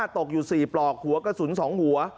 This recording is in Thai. ตกอยู่๔ปลอกหัวกระสุน๒หัว